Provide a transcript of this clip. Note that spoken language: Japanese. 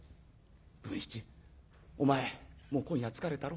文七お前もう今夜疲れたろ。